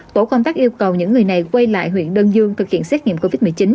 tổ công tác yêu cầu những người này quay lại huyện đơn dương thực hiện xét nghiệm covid một mươi chín